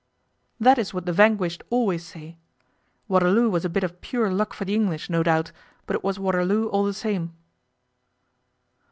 'That is what the vanquished always say. Waterloo was a bit of pure luck for the English, no doubt, but it was Waterloo all the same.